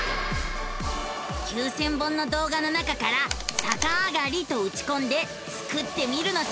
９，０００本の動画の中から「さかあがり」とうちこんでスクってみるのさ！